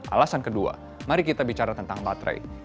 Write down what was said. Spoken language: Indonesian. alasan kedua mari kita bicara tentang baterai